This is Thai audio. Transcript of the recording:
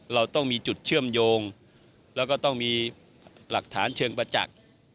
เราต้องมีจุดเชื่อมโยงแล้วก็ต้องมีหลักฐานเชิงประจักษ์